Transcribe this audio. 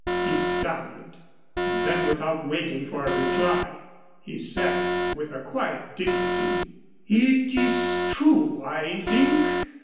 he stammered; and then, without waiting for a reply, he said, with a quiet dignity, "It is true, I think.